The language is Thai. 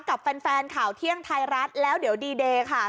กับแฟนข่าวเที่ยงไทยรัฐแล้วเดี๋ยวดีเดย์ค่ะ